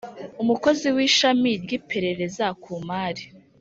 umukozi w Ishami ry Iperereza ku Mari